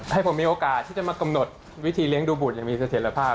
ให้ผมมีโอกาสที่จะมากำหนดวิธีเลี้ยงดูบุตรอย่างมีเสถียรภาพ